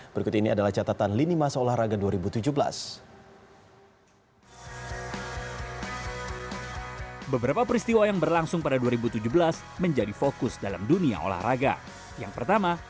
berikut ini adalah catatan lini masa olahraga dua ribu tujuh belas